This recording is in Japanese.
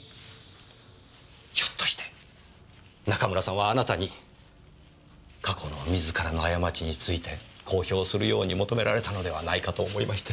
ひょっとして中村さんはあなたに過去の自らの過ちについて公表するように求められたのではないかと思いまして。